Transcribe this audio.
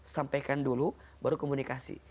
sampaikan dulu baru komunikasi